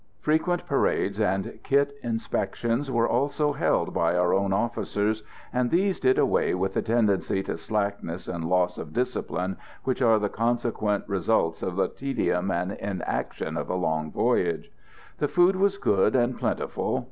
Frequent parades and kit inspections were also held by our own officers, and these did away with the tendency to slackness and loss of discipline which are the consequent results of the tedium and inaction of a long voyage. The food was good and plentiful.